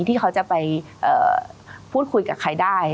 ที่เขาจะไปพูดคุยกับใครได้